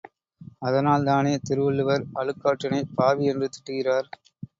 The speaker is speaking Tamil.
அதனால்தானே திருவள்ளுவர் அழுக்காற்றினைப் பாவி என்று திட்டுகிறார்.